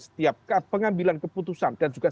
setiap pengambilan keputusan dan juga